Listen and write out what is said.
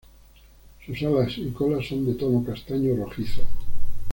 Sus alas y cola son de tono castaño rojizo.